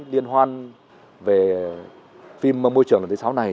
liên hoan về phim môi trường lần thứ sáu này